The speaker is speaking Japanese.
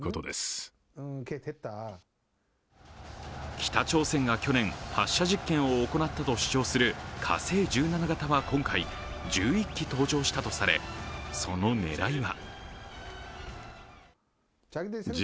北朝鮮が去年、発射実験を行ったと主張する火星１７型は今回１１基登場したとされその狙いは。